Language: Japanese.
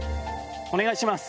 お願いします！